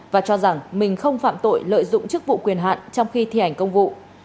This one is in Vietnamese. và cho rằng mình không phạm tội lợi dụng chức vụ quyền hạn trong khi thi hành công vụ